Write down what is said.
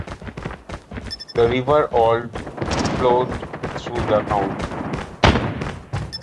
The river Olt flowed through the county.